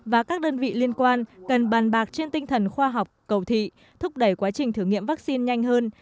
và các đơn vị liên quan cần bàn bạc trên tinh thần khoa học cầu thị thúc đẩy quá trình thử nghiệm vaccine nhanh hơn